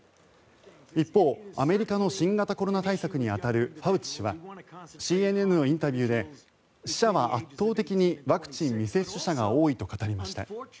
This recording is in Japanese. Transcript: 一方、アメリカの新型コロナ対策に当たるファウチ氏はＣＮＮのインタビューで死者は圧倒的にワクチン未接種者が多いと語りました。